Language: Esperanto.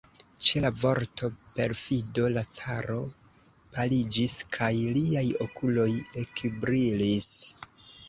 Ĉe la vorto "perfido" la caro paliĝis, kaj liaj okuloj ekbrilis.